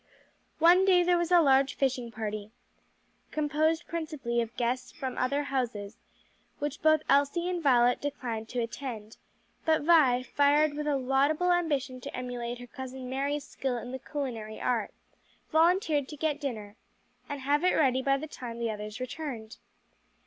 One day there was a large fishing party, composed principally of guests from other houses, which both Elsie and Violet declined to attend; but Vi, fired with a laudable ambition to emulate her cousin Mary's skill in the culinary art, volunteered to get dinner, and have it ready by the time the others returned.